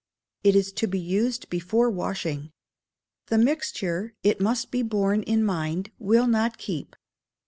It is to be used before washing. The mixture, it must be borne in mind, will not keep.